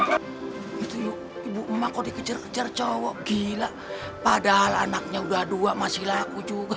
ibu emak kok dikejar kejar cowok gila padahal anaknya udah dua masih laku juga